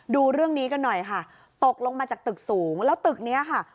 ดูเรื่องนี้กันหน่อยค่ะตกลงมาจากตึกสูงแล้วตึกนี้ค่ะ